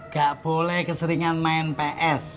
gak boleh keseringan main ps